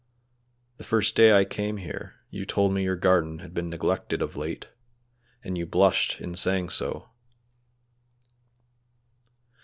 The first day I came here you told me your garden had been neglected of late, and you blushed in saying so.